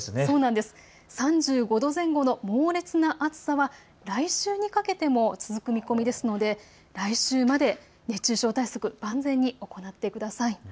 ３５度前後の猛烈な暑さは来週にかけても続く見込みですので来週まで熱中症対策、万全に行ってください。